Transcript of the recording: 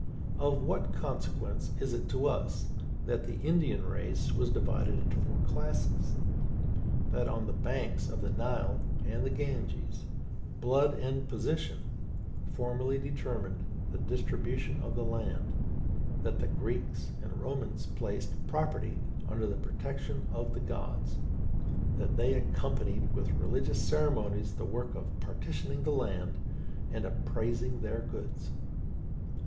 Of what consequence is it to us that the Indian race was divided into four classes; that, on the banks of the Nile and the Ganges, blood and position formerly determined the distribution of the land; that the Greeks and Romans placed property under the protection of the gods; that they accompanied with religious ceremonies the work of partitioning the land and appraising their goods?